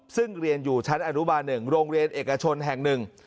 ซึ่งเรียนอยู่ชั้นอนุบาล๑โรงเรียนเอกชนแห่งหนึ่ง